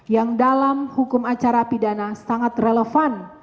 yang dalam hukum acara pidana sangat relevan